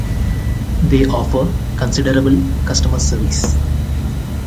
They offer considerable customer service.